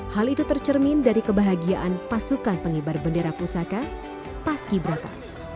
hal itu tercermin dari kebahagiaan pasukan pengibar bendera pusaka paski braka